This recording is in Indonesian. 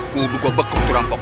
gue buka bekuk tuh rampok